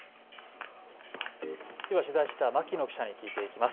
では取材した牧野記者に聞いていきます。